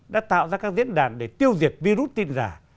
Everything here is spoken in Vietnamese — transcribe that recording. đã tạo ra các diễn đàn để tiêu diệt virus tin giả